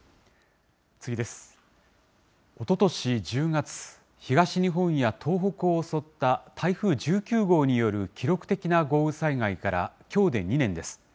おととし１０月、東日本や東北を襲った台風１９号による記録的な豪雨災害からきょうで２年です。